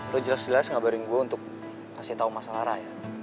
lo jelas jelas ngabarin gua untuk kasih tau masalah raya